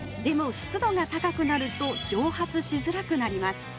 湿度が高くなると蒸発しづらくなります。